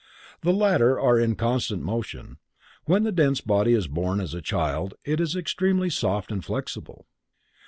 The latter are in constant motion. When the dense body is born as a child it is extremely soft and flexible.